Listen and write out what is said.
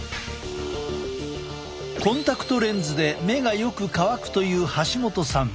コンタクトレンズで目がよく乾くという橋本さん。